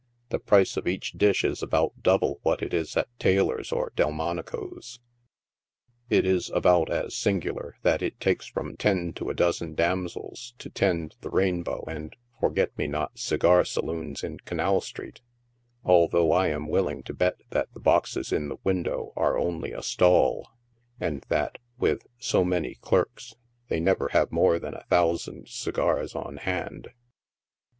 The price of each dish is about double what it is at Taylor's or Delmonico's. It is about as singu lar that it takes from ten to a dozen damsels to tend the " Rainbow" and " Forget me not" segar saloons in Canal street, although I am willing to bet that the boxe3 in the window are only a stall, and that, with so many clerks, they never have more than a thousand segars on hand.